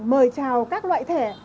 mời chào các loại thẻ